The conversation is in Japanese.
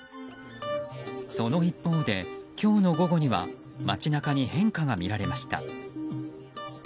その一方で、今日の午後には街中に変化がみられました。